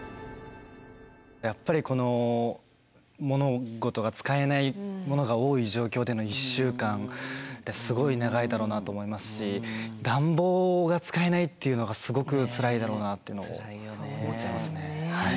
やっぱりこの物事が使えないものが多い状況での１週間ってすごい長いだろうなと思いますし暖房が使えないっていうのがすごくつらいだろうなっていうのを思っちゃいますね。